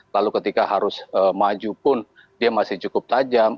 lalu ketika harus maju pun dia masih cukup tajam